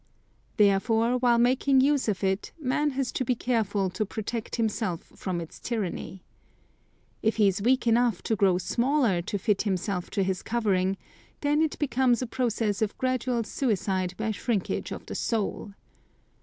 Therefore, while making use of it, man has to be careful to protect himself from its tyranny. If he is weak enough to grow smaller to fit himself to his covering, then it becomes a process of gradual suicide by shrinkage of the soul.